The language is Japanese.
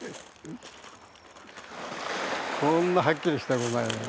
こんなはっきりしたものないよね。